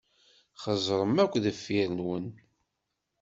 Xeẓẓṛem ar deffir-nwen.